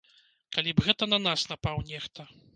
Калі б гэта на нас напаў нехта.